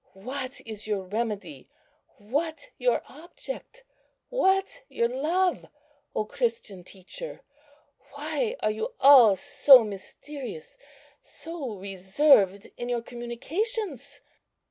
What is your remedy, what your Object, what your love, O Christian teacher? Why are you all so mysterious, so reserved in your communications?"